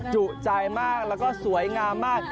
จุใจมากแล้วก็สวยงามมาก